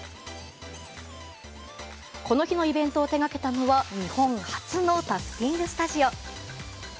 この日のイベントを手掛けたのは日本初のタフティングスタジオ。